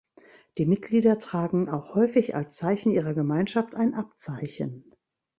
Die Mitglieder tragen auch häufig als Zeichen ihrer Gemeinschaft ein Abzeichen.